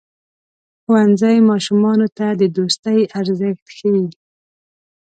ښوونځی ماشومانو ته د دوستۍ ارزښت ښيي.